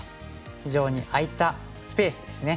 非常に空いたスペースですね